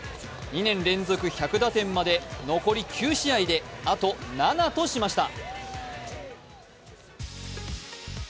２年連続１００打点まで残り９試合であと７としました。